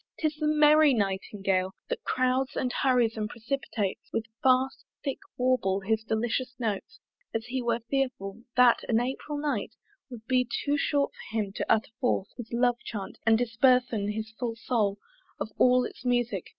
'Tis the merry Nightingale That crowds, and hurries, and precipitates With fast thick warble his delicious notes, As he were fearful, that an April night Would be too short for him to utter forth His love chant, and disburthen his full soul Of all its music!